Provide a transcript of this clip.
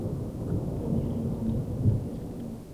Kromě hraní v tomto filmu také zpíval.